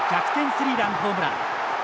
スリーランホームラン。